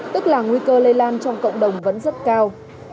tức là nguy cơ lây lan trong cộng đồng vẫn rất cao